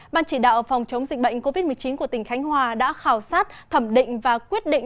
ban chỉ đạo phòng chống dịch bệnh covid một mươi chín của tỉnh khánh hòa đã khảo sát thẩm định và quyết định